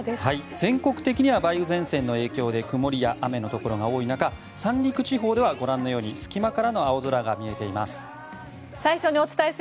全国的には梅雨前線の影響で曇りや雨のところが多い中三陸地方ではご覧のように隙間からの青空が見えています。